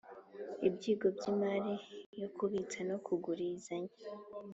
Ibyigo by’ imari yo kubitsa no kugurizanya